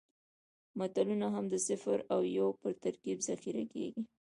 متنونه هم د صفر او یو په ترکیب ذخیره کېږي.